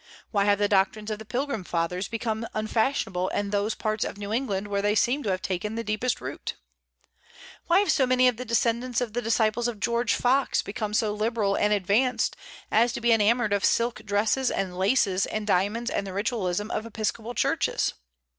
Why have the doctrines of the Pilgrim Fathers become unfashionable in those parts of New England where they seemed to have taken the deepest root? Why have so many of the descendants of the disciples of George Fox become so liberal and advanced as to be enamoured of silk dresses and laces and diamonds and the ritualism of Episcopal churches?